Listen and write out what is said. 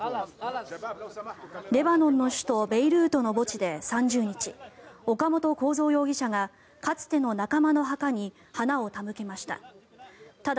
レバノンの首都ベイルートの墓地で３０日岡本公三容疑者がかつての仲間の墓に花を手向けました。